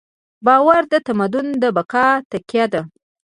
باور د تمدن د بقا تکیه ده.